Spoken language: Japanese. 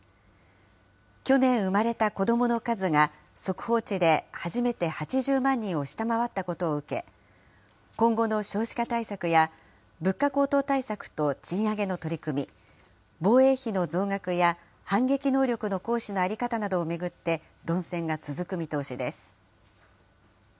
去年生まれた子どもの数が、速報値で初めて８０万人を下回ったことを受け、今後の少子化対策や物価高騰対策と賃上げの取り組み、防衛費の増額や反撃能力の行使の在り方などを巡って論戦が続く見通しです。